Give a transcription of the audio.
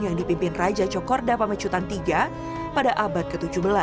yang dipimpin raja cokorda pamecutan iii pada abad ke tujuh belas